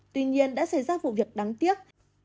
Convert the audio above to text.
tuy nhiên đã xảy ra vụ việc đáng tiếc